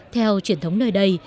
theo truyền thống nơi đây